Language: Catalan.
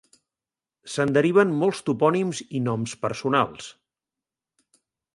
Se'n deriven molts topònims i noms personals.